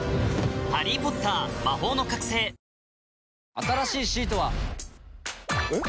新しいシートは。えっ？